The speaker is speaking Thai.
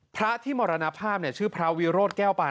พระที่มรณภาพชื่อพระวิโรธแก้วปาน